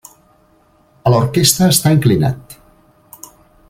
A l'orquestra està inclinat.